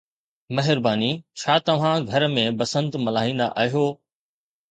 مهرباني. ڇا توهان گهر ۾ بسنت ملهائيندا آهيو؟